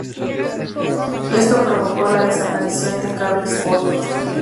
Esto provocó la desaparición de Cable Sport.